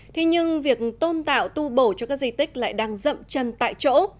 thế nhưng việc tôn tạo tu bổ cho các di tích lại đang dậm chân tại chỗ